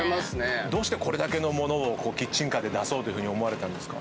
どうしてこれだけの物キッチンカーで出そうと思われたんですか？